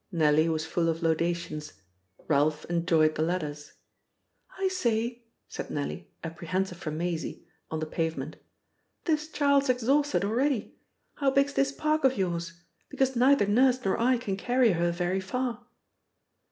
Nellie was full of laudations. Ralph enjoyed the ladders. "I say," said Nellie, apprehensive for Maisie, on the pavement, "this child's exhausted already. How big's this park of yours? Because neither Nurse nor I can carry her very far."